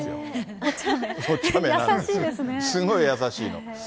すごい優しいの。